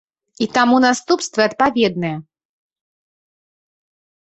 І таму наступствы адпаведныя.